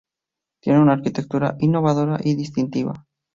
Tiene una arquitectura innovadora y distintiva.